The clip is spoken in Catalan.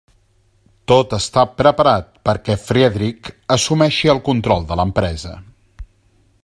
Tot està preparat perquè Friedrich assumeixi el control de l'empresa.